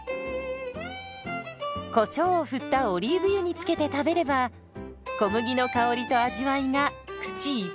こしょうを振ったオリーブ油につけて食べれば小麦の香りと味わいが口いっぱい！